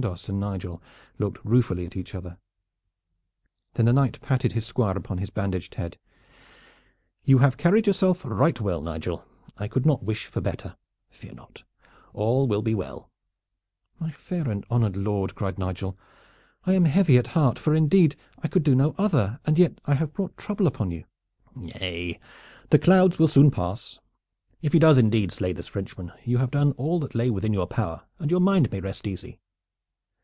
Chandos and Nigel looked ruefully at each other. Then the knight patted his Squire upon his bandaged head. "You have carried yourself right well, Nigel. I could not wish for better. Fear not. All will be well." "My fair and honored lord," cried Nigel, "I am heavy at heart, for indeed I could do no other, and yet I have brought trouble upon you." "Nay, the clouds will soon pass. If he does indeed slay this Frenchman, you have done all that lay within your power, and your mind may rest easy."